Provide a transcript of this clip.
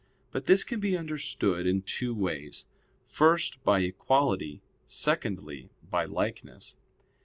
But this can be understood in two ways: first, by equality; secondly, by likeness.